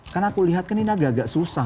karena aku lihat kan ini agak agak susah